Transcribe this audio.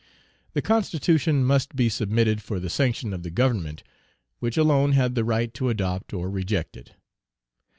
The Constitution must be submitted for the sanction of the Government, which alone had the right to adopt or reject it.